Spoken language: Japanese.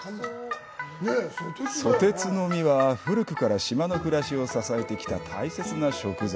ソテツの実は、古くから島の暮らしを支えてきた大切な食材。